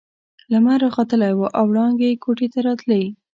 لمر راختلی وو او وړانګې يې کوټې ته راتلې.